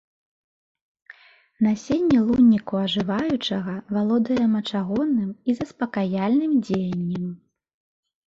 Насенне лунніку ажываючага валодае мачагонным і заспакаяльным дзеяннем.